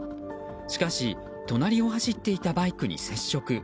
しかし隣を走っていたバイクに接触。